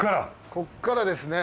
ここからですね。